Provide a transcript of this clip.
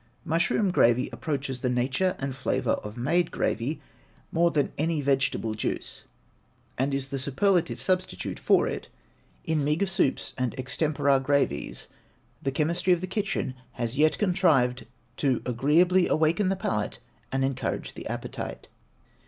Mushroom gravy approaches the nature and flavor of made gravy, more than any vegetable juice, and is the superlative substitute for it; in meagre soups and extempore gravies, the chemistry of the kitchen has yet contrived to agreeably awaken the palate and encourage the appetite.